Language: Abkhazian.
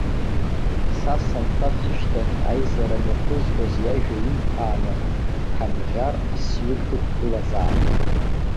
Са санца сышьҭахь, аизара мҩаԥызгоз иажәа имԥааны, ҭамӷьар асҩык дықәгылазаап.